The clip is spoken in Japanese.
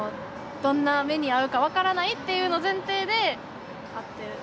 どんな目にあうか分からないっていうの前提で会ってる。